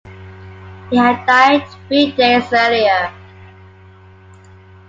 He had died three days earlier.